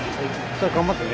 さあ頑張ってね。